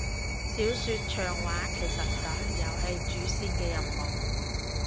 小說長話其實就係遊戲主線嘅內容